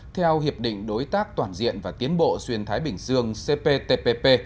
theo hiệp định đối tác toàn diện và tiến bộ xuyên thái bình dương cptpp